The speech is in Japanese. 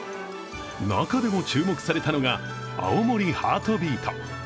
中でも注目されたのが青森ハートビート。